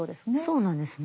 そうなんですね。